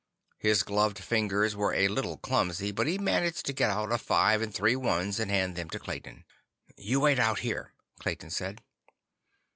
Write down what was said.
His gloved fingers were a little clumsy, but he managed to get out a five and three ones and hand them to Clayton. "You wait out here," Clayton said.